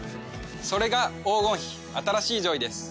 それが黄金比新しいジョイです。